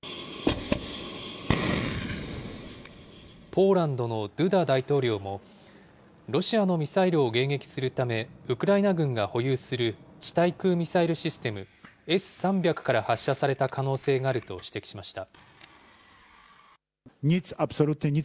ポーランドのドゥダ大統領も、ロシアのミサイルを迎撃するため、ウクライナ軍が保有する地対空ミサイルシステム、Ｓ３００から発射された可能性があると指摘しました。